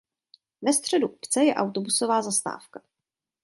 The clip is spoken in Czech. Ve středu obce je autobusová zastávka.